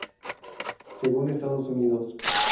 Según Estados Unidos.